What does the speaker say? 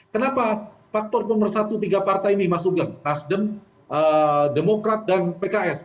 kenapa faktor pemersatu tiga partai ini mas sugeng nasdem demokrat dan pks